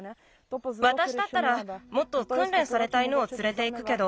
わたしだったらもっとくんれんされた犬をつれていくけど。